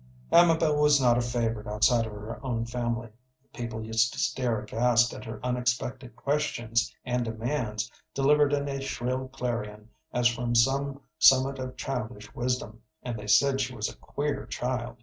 Amabel was not a favorite outside of her own family. People used to stare aghast at her unexpected questions and demands delivered in a shrill clarion as from some summit of childish wisdom, and they said she was a queer child.